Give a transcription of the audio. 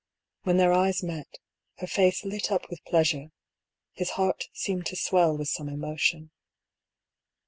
Their eyes met, her face lit up with pleasure, his heart seemed to swell with some emotion.